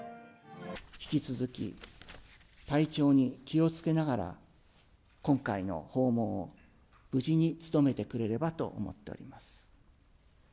引き続き、体調に気をつけながら今回の訪問を無事に務めてくれればと思っております。